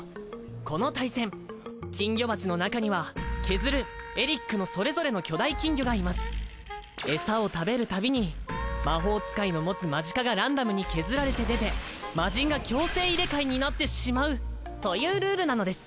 この対戦金魚鉢の中にはケズルエリックのそれぞれの巨大金魚がいますエサを食べるたびに魔法使いの持つマジカがランダムにケズられて出てマジンが強制入れ替えになってしまうというルールなのです！